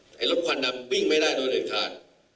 แต่รถควันนำบิ้งไม่ได้โดยเดินขาด